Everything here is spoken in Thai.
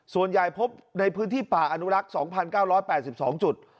ส่วนใหญ่พบในพื้นที่ป่าอนุรักษ์๒๙๘๒จุด